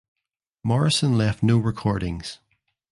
Morrison left no recordings.